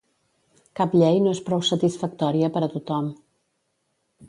Cap llei no és prou satisfactòria per a tothom.